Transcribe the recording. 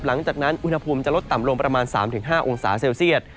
หลังจากนั้นอุณหภูมิจะลดต่ำลงประมาณ๓๕องศาเซลเซียต